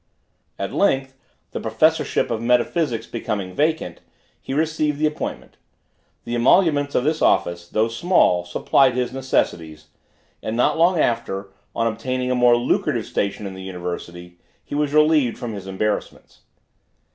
At length, the professorship of metaphysics becoming vacant, he received the appointment. The emoluments of this office, though small, supplied his necessities, and, not long after, on obtaining a more lucrative station in the University, he was relieved from his embarrassments.